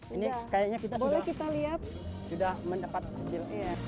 ini kayaknya kita sudah mendapat hasil